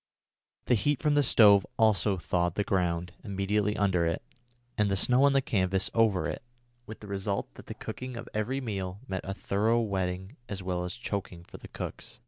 The heat from the stove also thawed the ground immediately under it, and the snow on the canvas over it, with the result that the cooking of every meal meant a thorough wetting as well as a choking for the cooks.